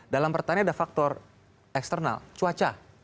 dalam pertanian ada faktor eksternal cuaca